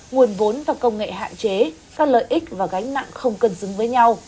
nguồn vốn và công nghệ hạn chế các lợi ích và gánh nặng không cần xứng với nhau